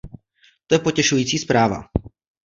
To je potěšující zpráva.